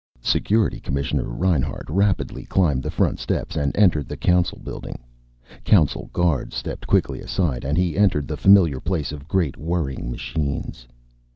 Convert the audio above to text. Security Commissioner Reinhart rapidly climbed the front steps and entered the Council building. Council guards stepped quickly aside and he entered the familiar place of great whirring machines.